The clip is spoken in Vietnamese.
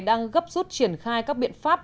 đang gấp rút triển khai các biện pháp